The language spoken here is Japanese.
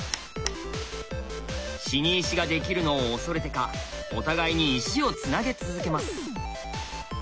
死に石ができるのを恐れてかお互いに石をつなげ続けます。